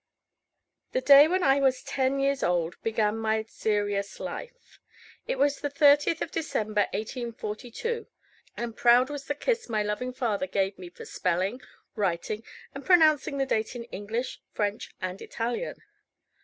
The day when I was ten years old began my serious life. It was the 30th of December, 1842; and proud was the kiss my loving father gave me for spelling, writing, and pronouncing the date in English, French, and Italian.